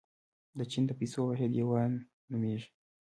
د چین د پیسو واحد یوان نومیږي.